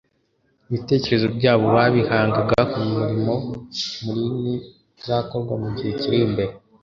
Ibitekerezo byabo babihangaga ku murimo muruini uzakorwa mu gihe kiri imbere.